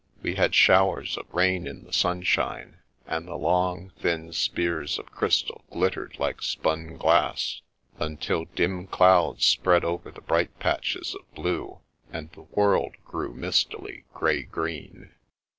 We had showers of rain in the sunshine; and the long, thin spears of crystal glittered like spun glass, until dim clouds spread over the bright patches of blue, and the world grew mistily grey green.